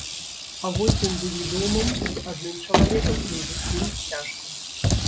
А вось з індывідуумам, з адным чалавекам ім зусім цяжка.